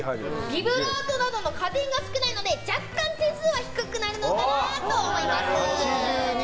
ビブラートなどの加点が少ないので若干、点数は低くなるのかなと思います。